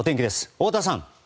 太田さん。